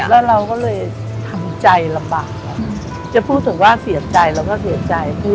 แล้วเราก็เลยทำใจลำบากจะพูดถึงว่าเสียใจเราก็เสียใจที่